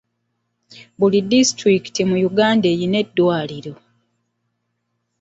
Buli disitulikiti mu Uganda erina eddwaliro.